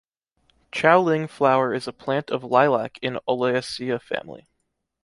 Qiao Ling Flower is a plant of Lilac in Oleacea family.